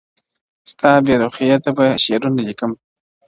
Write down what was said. ستا بې روخۍ ته به شعرونه ليکم.